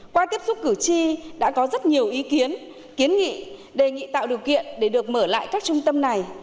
qua tiếp xúc cử tri đã có rất nhiều ý kiến kiến nghị đề nghị tạo điều kiện để được mở lại các trung tâm này